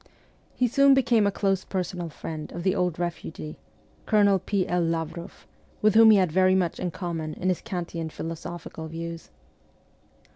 He soon became a close personal friend of the old refugee, Colonel P. L. Lavroff, with whom he had very much in common in his Kantian philosophical views.